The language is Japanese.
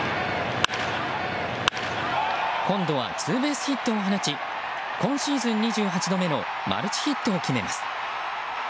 今度はツーベースヒットを放ち今シーズン２８度目のマルチヒットを決めます。